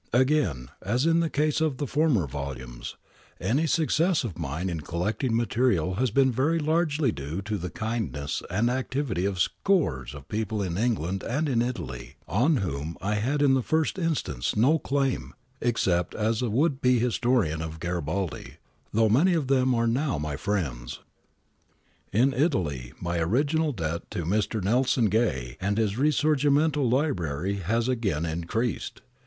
Again, as in the case of the former volumes, any success of mine in collecting material has been very largely due to the kindness and activity of scores of people in England and in Italy, on whom I had in the first instance no claim except as a would be historian of Garibaldi, though many of them are now my friends. In Italy, my original debt to Mr. Nelson Gay and his risorgimento library has been again increased.